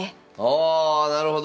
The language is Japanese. あなるほど。